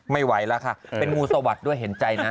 ไม่ไหวแล้วค่ะเป็นงูสวัสดิ์ด้วยเห็นใจนะ